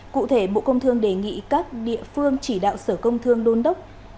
cụ thể bộ công thương đề nghị các địa phương chỉ đạo sở công thương đôn đốc